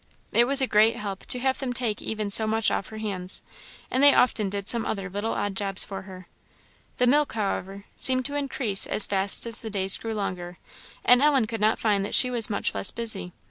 It was a great help to have them take even so much off her hands; and they often did some other little odd jobs for her. The milk, however, seemed to increase as fast as the days grew longer, and Ellen could not find that she was much less busy.